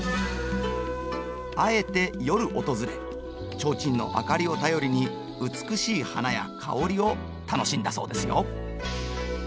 あえて夜訪れちょうちんの明かりを頼りに美しい花や香りを楽しんだそうですよ。